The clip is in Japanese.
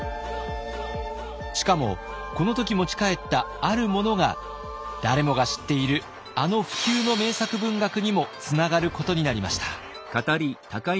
しかもこの時持ち帰ったあるものが誰もが知っているあの不朽の名作文学にもつながることになりました。